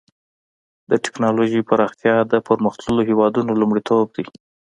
د ټکنالوجۍ پراختیا د پرمختللو هېوادونو لومړیتوب دی.